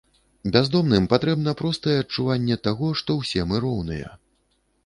Бяздомным патрэбна простае адчуванне таго, што ўсе мы роўныя.